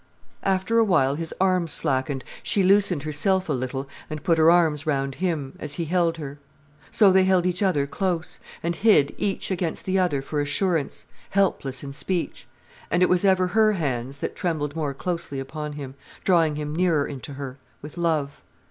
After a while his arms slackened, she loosened herself a little, and put her arms round him, as he held her. So they held each other close, and hid each against the other for assurance, helpless in speech. And it was ever her hands that trembled more closely upon him, drawing him nearer into her, with love.